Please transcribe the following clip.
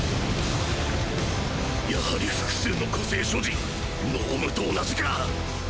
やはり複数の個性所持脳無と同じか